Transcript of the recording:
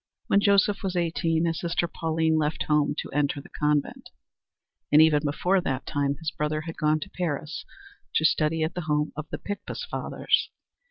When Joseph was eighteen his sister Pauline left home to enter the convent, and even before that time his brother had gone to Paris to study at the home of the Picpus Fathers.